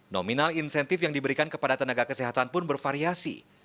nominal insentif yang diberikan kepada tenaga kesehatan pun bervariasi